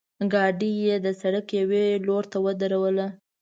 ګاډۍ یې د سړک یوې لورته ودروله.